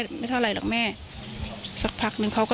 โทรไปถามว่าแม่ช่วยด้วยถูกจับ